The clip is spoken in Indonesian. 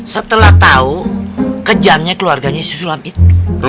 setelah tahu kejamnya keluarganya si sulam itu